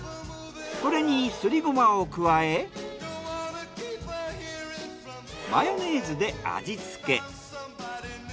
これにすりゴマを加えマヨネーズで味付け。